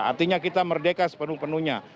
artinya kita merdeka sepenuh penuhnya